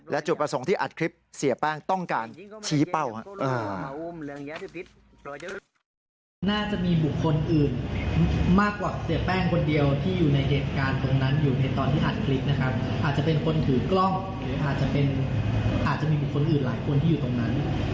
และจุดประสงค์ที่อัดคลิปเสียแป้งต้องการชี้เป้าครับ